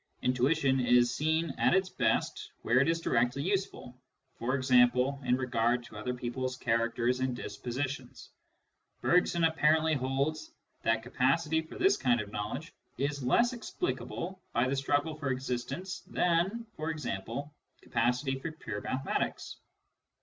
Intuition is seen at its best where it is directly useful — ^for example, in regard to other people's characters and dispositions. Bergson apparently holds that capacity for this kind of knowledge is less explicable by the struggle for existence than, for example, capacity for pure mathematics.